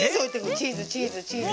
チーズチーズチーズ。